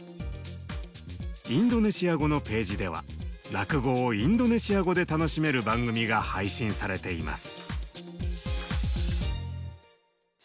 インドネシア語のページでは落語をインドネシア語で楽しめる番組が配信されています。